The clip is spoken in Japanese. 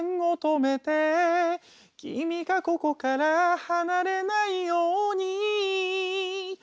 「君がここから離れないように」